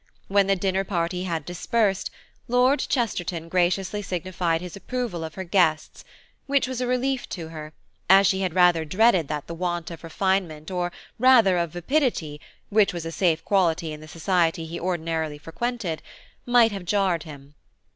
When the dinner party had dispersed, Lord Chesterton graciously signified his approval of her guests, which was a relief to her, as she had rather dreaded that the want of refinement or rather of vapidity, which was a safe quality in the society he ordinarily frequented, might have jarred him.